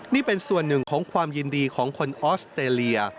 นี่เป็นส่วนหนึ่งของความยินดีของคนออสเตรเลีย